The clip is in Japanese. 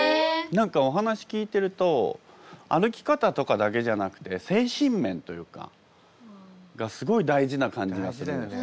何かお話聞いてると歩き方とかだけじゃなくて精神面というかがすごい大事な感じがするんですけど。